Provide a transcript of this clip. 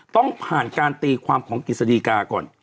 ต้องผ่านการตีความของกฤษฎีกาก่อน